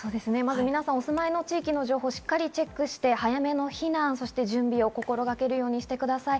皆さん、お住まいの地域の情報をしっかりチェックして早めの避難、そして準備を心がけるようにしてください。